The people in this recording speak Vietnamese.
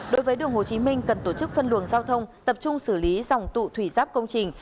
đối với đường hồ chí minh cần tổ chức phân luồng giao thông tập trung xử lý dòng tụ thủy giáp công trình